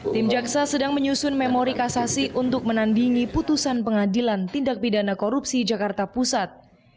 tim jaksa sedang menyusun memori kasasi untuk menandingi putusan pengadilan tindak pidana korupsi jakarta pusat